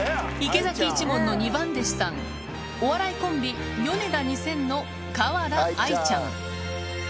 池崎一門の２番弟子さん、お笑いコンビ、ヨネダ２０００の河田愛ちゃん。